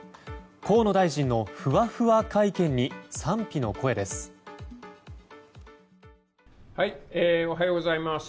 河野大臣のフワフワ会見に賛否の声です。